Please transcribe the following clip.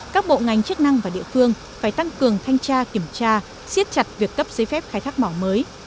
các bộ ngành chức năng và địa phương phải tăng cường thanh tra kiểm tra siết chặt việc cấp giấy phép khai thác mỏ mới